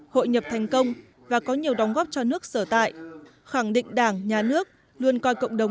hội nhập thành công và có nhiều đóng góp cho nước sở tại khẳng định đảng nhà nước luôn coi cộng đồng